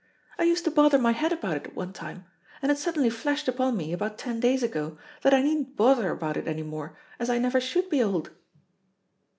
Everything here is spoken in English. I used to bother my head about it at one time! and it suddenly flashed upon me, about ten days ago, that I needn't bother about it any more, as I never should be old."